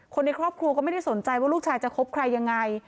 ในครอบครัวก็ไม่ได้สนใจว่าลูกชายจะคบใครยังไง